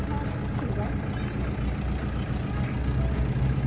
กินข้าวขอบคุณครับ